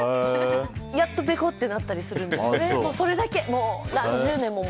やっと、ベコッとなったりするんです。